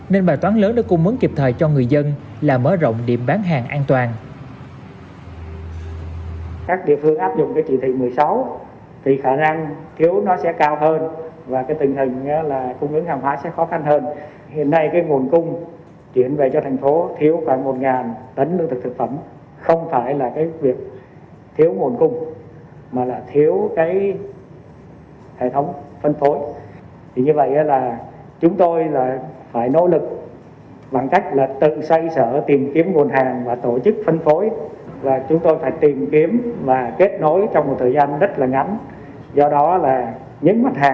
nên bài toán lớn để cung ứng kịp thời cho người dân là mở rộng điểm bán hàng an toàn